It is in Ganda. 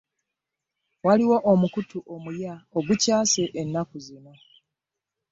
Waliwo omukutu omuya ogukyase ennaku zino .